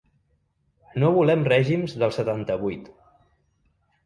No volem règims del setanta-vuit.